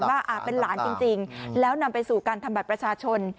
ว่าเป็นหลานจริงแล้วนำไปสู่การทำบัตรประชาชน